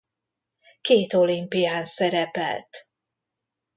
Két olimpián szerepelt.